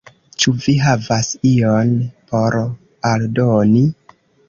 Ĉu vi havas ion por aldoni?